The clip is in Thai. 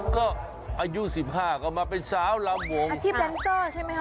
ก็อายุสิบห้าก็มาเป็นสาวลำวงอาชีพแลนเซอร์ใช่ไหมคะ